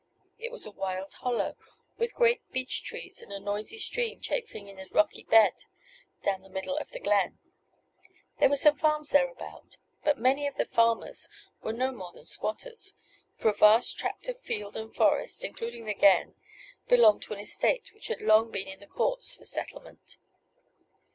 It was a wild hollow, with great beech trees, and a noisy stream chaffing in a rocky bed down the middle of the glen. There were some farms thereabout; but many of the farmers were no more than squatters, for a vast tract of field and forest, including the glen, belonged to an estate which had long been in the courts for settlement.